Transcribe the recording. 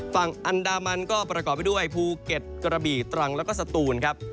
ฝั่งอันดามันก็ประกอบไปด้วยภูเก็ตกระบี่ตรังแล้วก็สตูนครับ